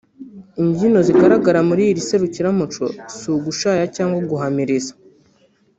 Imbyino zigaragara muri iri serukiramuco si ugushayaya cyangwa guhamiriza